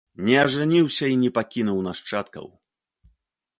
Не ажаніўся і не пакінуў нашчадкаў.